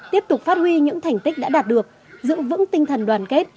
tiếp tục phát huy những thành tích đã đạt được giữ vững tinh thần đoàn kết